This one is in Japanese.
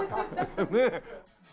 ねえ。